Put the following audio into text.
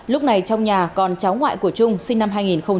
lúc này trong nhà còn cháu ngoại của trung sinh năm hai nghìn một mươi